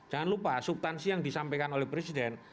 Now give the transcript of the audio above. jangan lupa subtansi yang disampaikan oleh presiden